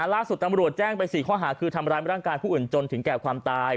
ล่าสุดตำรวจแจ้งไป๔ข้อหาคือทำร้ายร่างกายผู้อื่นจนถึงแก่ความตาย